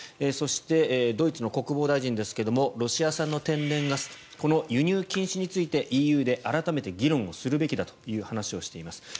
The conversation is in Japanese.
そして、ドイツの国防大臣ですがロシア産の天然ガス輸入禁止についてＥＵで改めて議論をするべきだという話をしています。